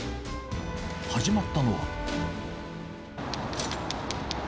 始まったのは。